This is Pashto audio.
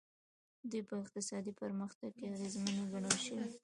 دوی په اقتصادي پرمختګ کې اغېزمنې ګڼل شوي.